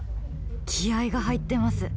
気合いが入ってます。